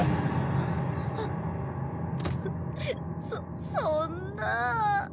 そそんなあ。